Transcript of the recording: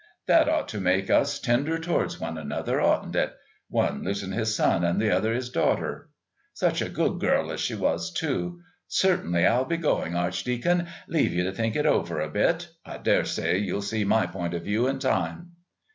That ought to make us tender towards one another, oughtn't it? One losing his son and the other his daughter. "Such a good girl as she was too. Certainly I'll be going, Archdeacon; leave you to think it over a bit. I daresay you'll see my point of view in time."